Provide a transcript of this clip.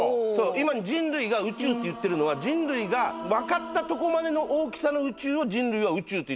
人類が宇宙って言ってるのは人類が分かったとこまでの大きさの宇宙を人類は宇宙って言ってるだけで。